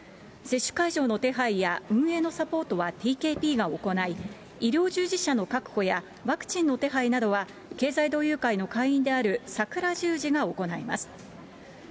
接種会場の手配や運営のサポートはＴＫＰが行い、医療従事者の確保や、ワクチンの手配などは、経済同友会の会員である桜十字が行います。